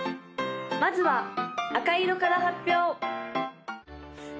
まずは赤色から発表！